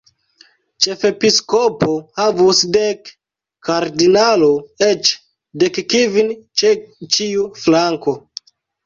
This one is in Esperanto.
Ĉefepiskopo havus dek, kardinalo eĉ dekkvin ĉe ĉiu flanko.